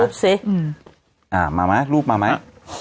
อ่ามามั้ยรูปมามั้ย